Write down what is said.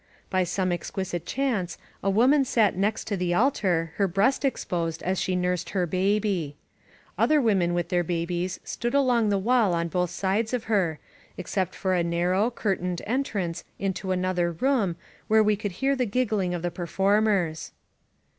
By some exquisite chance, a woman sat next to the altar, her breast exposed as she nursed her baby. Other women with their babies stood along the wall on both sides of her, except for a narrow, cur tained entrance into another room where we could hear the giggling of the perfofu^rs.